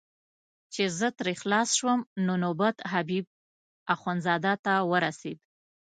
چې زه ترې خلاص شوم نو نوبت حبیب اخندزاده ته ورسېد.